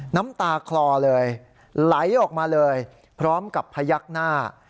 น้ำตาคลอเลยไหลออกมาเลยพร้อมกับพยักหน้า